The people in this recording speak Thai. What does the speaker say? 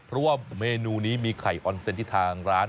เพราะว่าเมนูนี้มีไข่ออนเซ็นต์ที่ทางร้าน